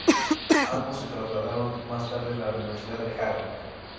Ambos se trasladaron más tarde a la Universidad de Harvard.